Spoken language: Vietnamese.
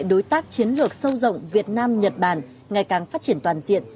đối tác chiến lược sâu rộng việt nam nhật bản ngày càng phát triển toàn diện